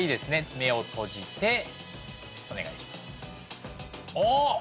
目を閉じてお願いしますおっ！